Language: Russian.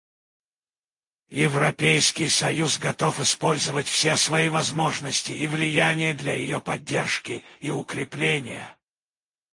Европейский союз готов использовать все свои возможности и влияние для ее поддержки и укрепления.